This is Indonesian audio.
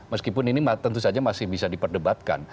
meskipun ini tentu saja masih bisa diperdebatkan